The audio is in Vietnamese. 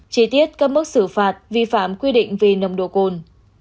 chi tiết các mức xử phạt vi phạm quy định về nồng độ cồn